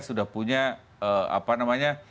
sudah punya apa namanya